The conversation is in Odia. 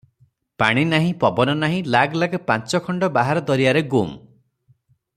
ପାଣି ନାହିଁ, ପବନ ନାହିଁ ଲାଗ ଲାଗ ପାଞ୍ଚ ଖଣ୍ଡ ବାହାର ଦରିଆରେ ଗୁମ୍!